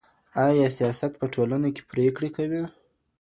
ایا سیاست په ټولنه کي پرېکړې کوي؟